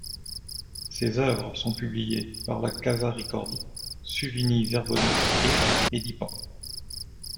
Ses œuvres sont publiées par la Casa Ricordi, Suvini Zerboni et Edipan.